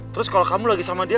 terus kalau kamu lagi sama dia